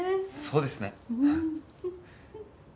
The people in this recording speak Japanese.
そうですね。